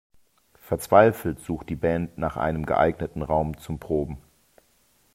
Verzweifelt sucht die Band nach einem geeigneten Raum zum Proben.